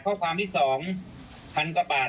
ข้อความที่๒๐๐๐กว่าบาท